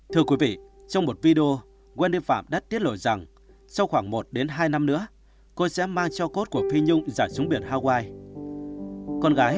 thưa quý vị trong một video wendy phạm đã tiết lội rằng sau khoảng một đến hai năm nữa cô sẽ mang cho cốt của phi nhung giả xuống biển hawaii